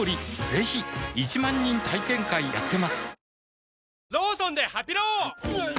ぜひ１万人体験会やってますはぁ。